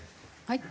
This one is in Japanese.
はい？